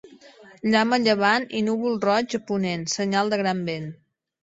Llamp a llevant i núvols roigs a ponent, senyal de gran vent.